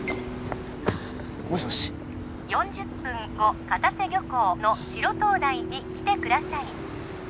もしもし４０分後片瀬漁港の白灯台に来てください